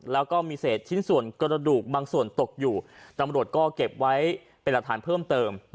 แล้วก็มีเศษชิ้นส่วนกระดูกบางส่วนตกอยู่ตำรวจก็เก็บไว้เป็นหลักฐานเพิ่มเติม